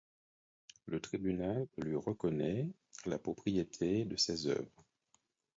Le tribunal lui reconnaît la propriété de ses œuvres.